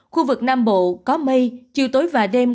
khu vực nam bộ có mây chiều tối và đêm